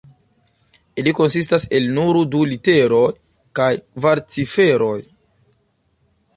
Ili konsistas el nur du literoj kaj kvar ciferoj.